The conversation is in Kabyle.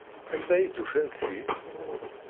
Anda ay d-ufant ti?